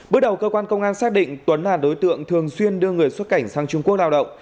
bước đầu cơ quan công an xác định tuấn là đối tượng thường xuyên đưa người xuất cảnh sang trung quốc lao động